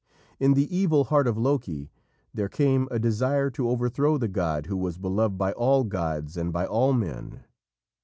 In the evil heart of Loki there came a desire to overthrow the god who was beloved by all gods and by all men.